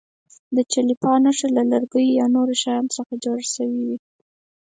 د چلیپا نښه له لرګیو یا نورو شیانو څخه جوړه شوې وي.